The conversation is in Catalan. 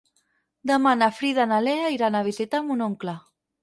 Demà na Frida i na Lea iran a visitar mon oncle.